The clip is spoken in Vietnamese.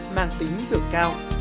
mang tính dược cao